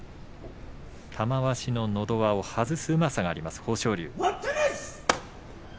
玉鷲ののど輪を外すうまさがあります、豊昇龍。